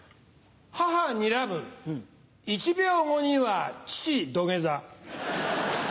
母にらむ１秒後には父土下座。